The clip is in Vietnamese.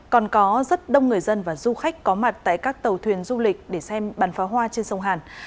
còn có rất đông người dân và du khách có mặt tại các tàu thuyền du lịch để xem bắn phá hoa trên sông hàn